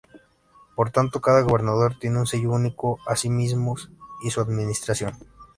Por tanto, cada gobernador tiene un sello único a sí mismos y su administración.